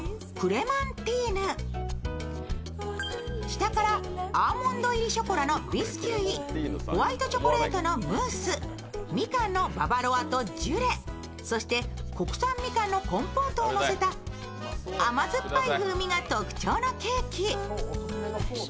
下からアーモンド入りショコラのビスキュイ、ホワイトチョコレートのムースみかんのババロアとジュレそして国産みかんのコンポートをのせた甘酸っぱい風味が特徴のケーキ。